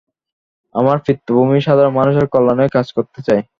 আমার পিতৃভূমির সাধারণ মানুষের কল্যাণে কাজ করতে চাই।